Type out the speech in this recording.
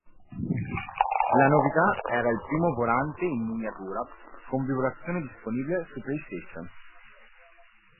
La novità era il primo volante in miniatura con vibrazione disponibile su PlayStation.